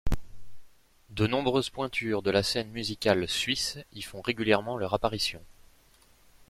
De nombreuses pointures de la scène musicale suisse y font régulièrement leur apparition.